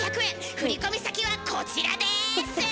振込先はこちらです！